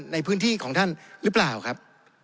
ในพื้นที่ของท่านหรือเปล่าครับ